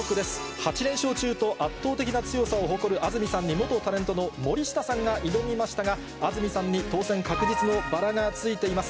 ８連勝中と圧倒的な強さを誇る安住さんに、元タレントの森下さんが挑みましたが、安住さんに当選確実のバラがついています。